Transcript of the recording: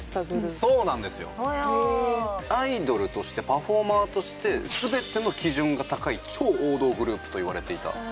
アイドルとしてパフォーマーとして全ての基準が高い超王道グループといわれていた。